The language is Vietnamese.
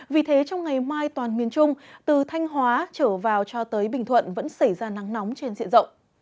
vì thế trong ngày mai toàn miền trung từ thanh hóa trở vào cho tới bình thuận vẫn xảy ra nắng nóng trên diện rộng